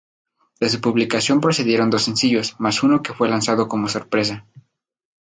De su publicación procedieron dos sencillos, más uno que fue lanzado como sorpresa.